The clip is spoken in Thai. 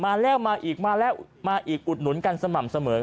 มาแล้วมาอีกมาแล้วมาอีกอุดหนุนกันสม่ำเสมอ